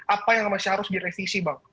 apa yang masih harus direvisi bang